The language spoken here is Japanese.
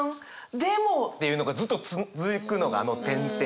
でも」。っていうのがずっと続くのがあの「」。